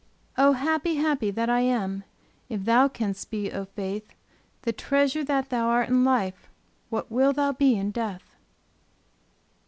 Oh happy, happy that I am! If thou canst be, O faith The treasure that thou art in life What wilt thou be in death?